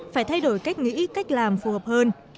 phải thay đổi cách nghĩ cách làm phù hợp hơn